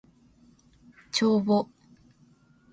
帳簿